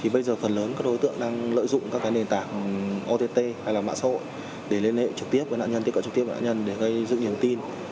bây giờ phần lớn các đối tượng đang lợi dụng các nền tảng ott hay mạng xã hội để liên hệ trực tiếp với nạn nhân tiếp cận trực tiếp với nạn nhân để gây dựng niềm tin